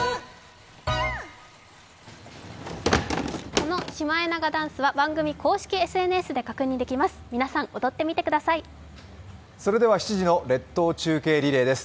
このシマエナガダンスは番組公式ＳＮＳで確認できます。